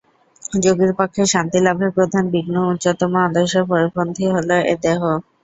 যোগীর পক্ষে শান্তিলাভের প্রধান বিঘ্ন ও উচ্চতম আদর্শের পরিপন্থী হইল এই দেহ।